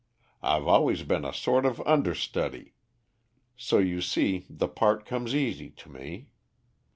I've always been a sort of understudy, so you see the part comes easy to me.